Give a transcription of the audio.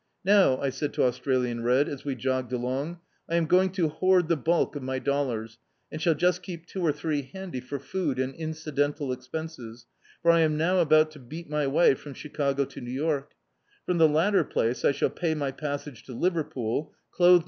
"Now," I said to Australian Red, as we jogged along, '1 am going to hoard the bulk of my dollars, and shall just keep two or three handy for food and incidental expenses, for I am now about to beat my way from Chicago to New York From the latter place I shall pay my passage to Liverpool, clothe my D,i.